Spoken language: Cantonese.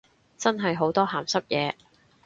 真係好多鹹濕嘢